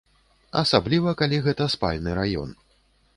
Асабліва калі гэта спальны раён.